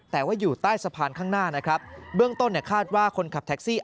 แต่ว่าอยู่ใต้สะพานข้างหน้านะครับเบื้องต้นเนี่ยคาดว่าคนขับแท็กซี่